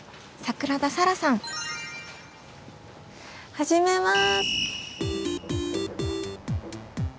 始めます！